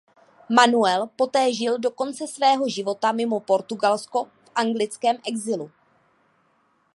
Manuel poté žil do konce svého života mimo Portugalsko v anglickém exilu.